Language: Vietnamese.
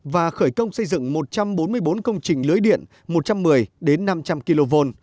và khởi công xây dựng một trăm bốn mươi bốn công trình lưới điện một trăm một mươi năm trăm linh kv